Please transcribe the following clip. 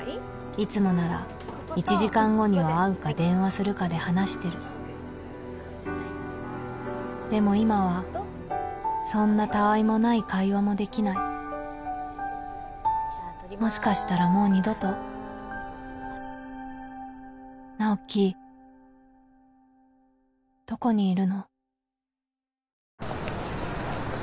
いつもなら１時間後には会うか電話するかで話してるでも今はそんなたわいもない会話もできないもしかしたらもう二度と直木どこにいるの？